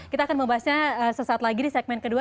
kita akan membahasnya sesaat lagi di segmen kedua